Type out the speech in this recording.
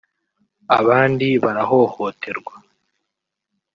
abandi barahohoterwa